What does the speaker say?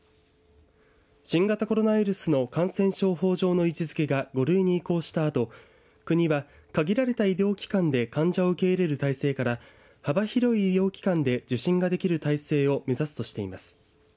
新型コロナウイルスの感染症法上の位置づけが５類に移行したあと国は限られた医療機関で患者を受け入れる体制から幅広い医療機関で受診ができる体制を目指すとしています。